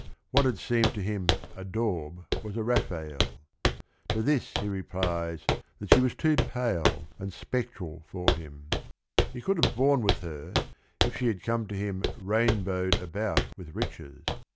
What had seemed to him a daub was a Rafael. To this, he replies that she was too pale jind, spectoalfor him. He could have borne with her, if she had come to him "rainbowed about with riches."